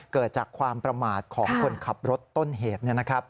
เกิดจากความประมาทของคนขับรถต้นเหตุ